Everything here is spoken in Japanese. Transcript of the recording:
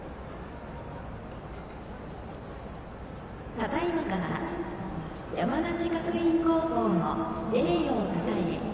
ただいまから山梨学院高校の栄誉をたたえ